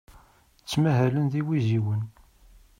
Ttmahalen d iwiziwen.